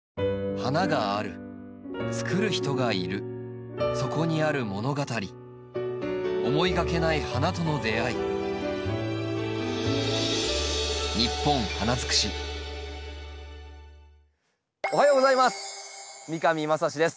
花があるつくる人がいるそこにある物語思いがけない花との出会いおはようございます。